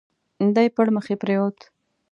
دی پړمخي پرېووت.